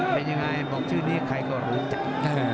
เป็นยังไงบอกชื่อนี้ใครก็รู้จัก